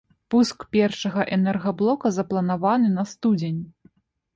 Пуск першага энергаблока запланаваны на студзень.